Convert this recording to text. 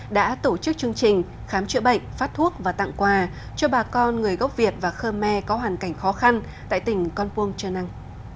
đã tổ chức chương trình khám chữa bệnh phát thuốc và tặng quà cho bà con người gốc việt và khmer có hoàn cảnh khó khăn tại tỉnh con phuong trần năng